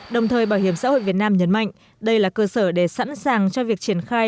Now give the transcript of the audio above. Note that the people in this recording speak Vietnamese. đồng thời bảo hiểm xã hội việt nam nhấn mạnh đây là cơ sở để sẵn sàng cho việc triển khai